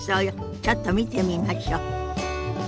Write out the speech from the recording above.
ちょっと見てみましょ。